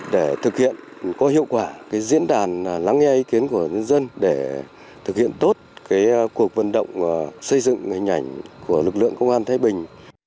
để thực hiện có hiệu quả diễn đàn lắng nghe ý kiến của nhân dân để thực hiện tốt cuộc vận động xây dựng hình ảnh của lực lượng công an thái bình